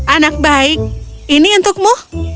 anak baik ini untukmu